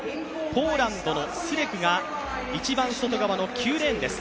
ポーランドのスレクが一番外側の９レーンです。